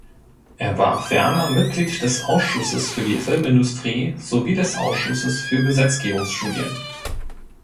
Er war ferner Mitglied des Ausschusses für die Filmindustrie sowie des Ausschusses für Gesetzgebungsstudien.